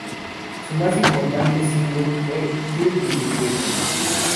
Su más importante single fue "Here in Your Bedroom".